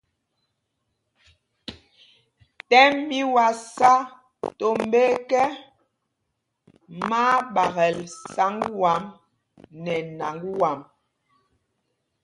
Tɛ́m mí wá sá tombá ekɛ, má á ɓaakɛl sǎŋg wǎm nɛ nǎŋg wâm.